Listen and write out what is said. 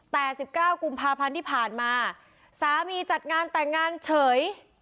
แต่๑๙กุมภาพันธ์ที่ผ่านมาสามีจัดงานแต่งงานเฉย